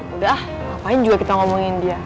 udah ah ngapain juga kita ngomongin dia